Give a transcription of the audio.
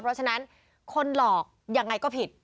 เพราะฉะนั้นคนหลอกยังไงก็ผิด